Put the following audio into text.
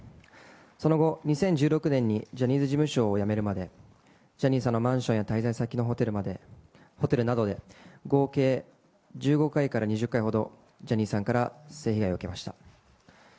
その後、２０１６年にジャニーズ事務所を辞めるまで、ジャニーさんのマンションや滞在先のホテルなどで合計１５回から２０回ほど、ジャニーさんから性被害を受けました。